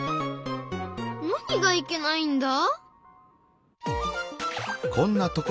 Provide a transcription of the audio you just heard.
何がいけないんだ？